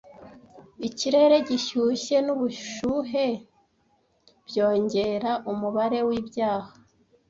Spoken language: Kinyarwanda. Ikirere gishyushye nubushuhe byongera umubare wibyaha.